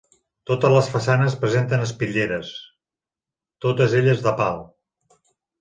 Totes les façanes presenten espitlleres, totes elles de pal.